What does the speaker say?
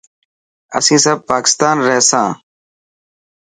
اسين سب پاڪستان رهيسان.